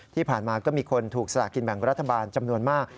ที่ผ่านมาก็มีคนถูกสลากินแบ่งรัฐบาลจำนวนมาก